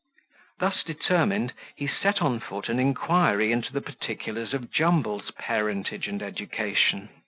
Thus determined, he set on foot an inquiry into the particulars of Jumble's parentage and education.